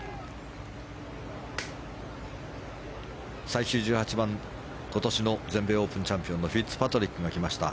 最終１８番今年の全米オープンチャンピオンフィッツパトリックが来ました。